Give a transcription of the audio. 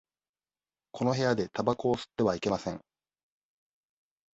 この部屋でたばこを吸ってはいけません。